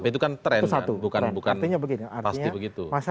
tapi itu kan tren bukan pasti begitu